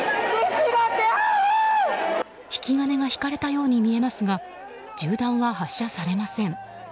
引き金が引かれたように見えますが銃弾は発射されません。